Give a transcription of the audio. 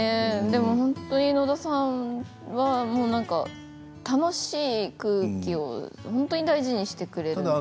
でも本当に野田さんは楽しい雰囲気を本当に大事にしてくれるので。